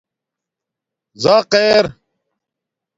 زَق ار